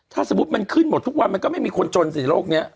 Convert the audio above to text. ถ้าสมมุติมันขึ้นหมดทุกวันมันก็ไม่มีคนจนสิโลกนี้